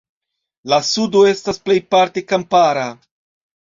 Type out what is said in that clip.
La sudo estas plejparte kampara.